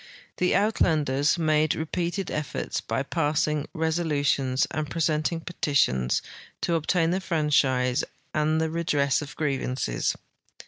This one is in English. The Uitlanders made repeated efforts, by passing resolutions and presenting petitions, to obtain the franchise and the redress of grievances.